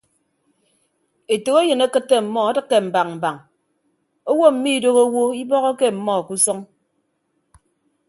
Etәkeyịn akịtte ọmmọ adịkke mbañ mbañ owo mmidooho owo ibọhọke ọmmọ ke usʌñ.